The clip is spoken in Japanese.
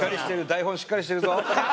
台本しっかりしてるぞ。